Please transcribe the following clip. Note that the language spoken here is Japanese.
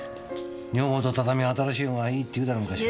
女房と畳は新しいほうがいいって言うだろ昔から。